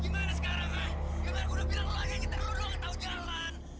jangan gak ada gudang bilang lo aja yang kita urung atau jalan